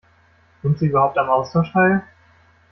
Nimmt sie überhaupt am Austausch teil?